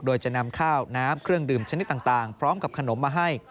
โดยจะนำข้าวน้ำเครื่องดื่มชนิดต่างพร้อมกับขนมมาให้